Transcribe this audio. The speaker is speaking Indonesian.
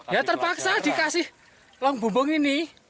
ya terpaksa dikasih long bumbung ini